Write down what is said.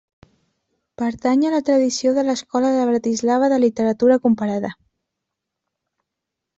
Pertany a la tradició de l'Escola de Bratislava de Literatura Comparada.